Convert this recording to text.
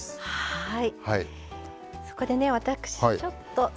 はい。